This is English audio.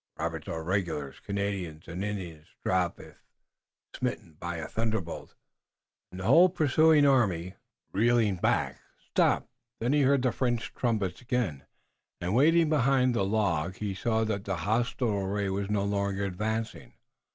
Robert saw regulars, Canadians and Indians drop as if smitten by a thunderbolt, and the whole pursuing army, reeling back, stopped. Then he heard the French trumpets again, and waiting behind the log, he saw that the hostile array was no longer advancing.